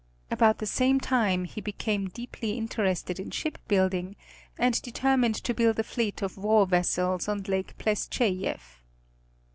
About the same time he became deeply interested in ship building, and determined to build a fleet of war vessels on Lake Plestchéief.